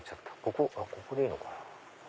ここでいいのかな？